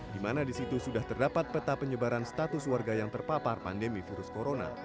di mana di situ sudah terdapat peta penyebaran status warga yang terpapar pandemi virus corona